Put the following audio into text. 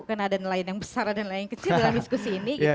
karena ada nelayan yang besar dan nelayan yang kecil dalam diskusi ini